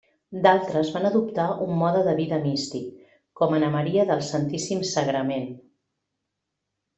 D'altres van adoptar un mode de vida místic, com Anna Maria del Santíssim Sagrament.